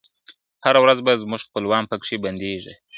هره ورځ به زموږ خپلوان پکښي بندیږی `